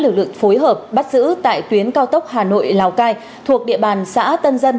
lực lượng phối hợp bắt giữ tại tuyến cao tốc hà nội lào cai thuộc địa bàn xã tân dân